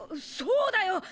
そうだよ！